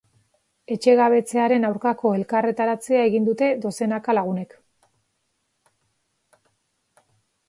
Etxegabetzearen aurkako elkarretaratzea egin dute dozenaka lagunek.